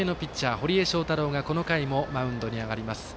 堀江正太郎がこの回もマウンドに上がります。